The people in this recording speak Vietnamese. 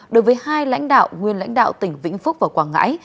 đối với hai lãnh đạo nguyên lãnh đạo tỉnh vĩnh phúc và quảng ngãi